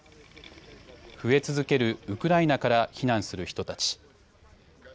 増え続けるウクライナから避難する人たち。